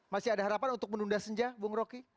masih ada harapan untuk menunda senja bung roky